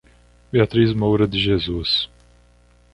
Beatriz Moura de Jesus